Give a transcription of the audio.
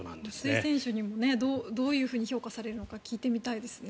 松井選手もどういうふうに評価されるのか聞いてみたいですね。